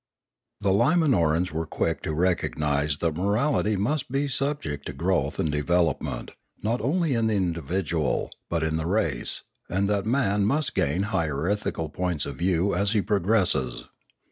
The Iyimanorans were quick to recognise that mor ality must be subject to growth and development, not only in the individual, but in the race, and that man must gain higher ethical points of view as he pro gresses.